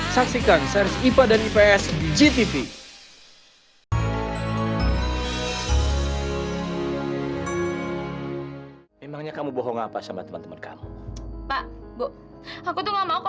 saksikan series ipa dan ips di gtv